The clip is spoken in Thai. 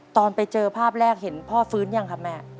ตอนไปเจอภาพแรกเห็นพ่อฟื้นยังครับแม่